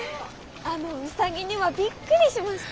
あのうさぎにはびっくりしました。